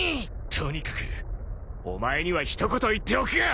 とにかくお前には一言言っておくが。